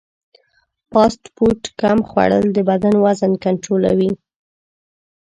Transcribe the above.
فاسټ فوډ کم خوړل د بدن وزن کنټرولوي.